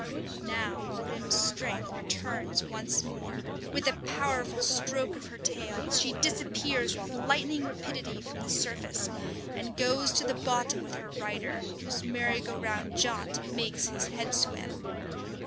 Now Grim's strength returns once more. With a powerful stroke of her tail, she disappears with lightning rapidity from the surface, and goes to the bottom with her rider, whose merry go round jaunt makes his head swim.